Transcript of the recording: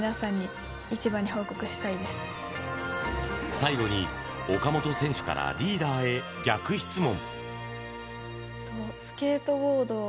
最後に岡本選手からリーダーへ逆質問。